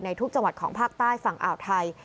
ทุกจังหวัดของภาคใต้ฝั่งอ่าวไทย